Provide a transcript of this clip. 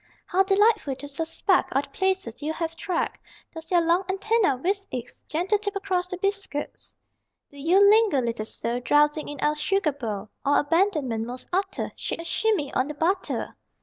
How delightful to suspect All the places you have trekked: Does your long antenna whisk its Gentle tip across the biscuits? Do you linger, little soul, Drowsing in our sugar bowl? Or, abandonment most utter, Shake a shimmy on the butter?